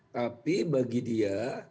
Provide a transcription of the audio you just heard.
tapi bagi dia